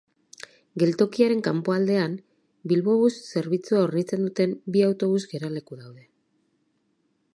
Geltokiaren kanpoaldean Bilbobus zerbitzua hornitzen duten bi autobus geraleku daude.